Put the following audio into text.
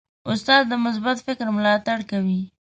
استاد د مثبت فکر ملاتړ کوي.